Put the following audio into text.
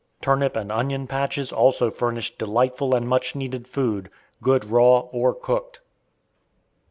Turnip and onion patches also furnished delightful and much needed food, good raw or cooked.